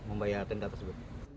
membayar denda tersebut